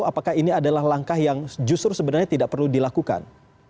apakah ini adalah langkah yang justru sebenarnya tidak perlu dilakukan